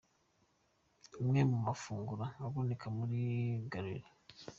Amwe mu mafunguro aboneka muri Galleria.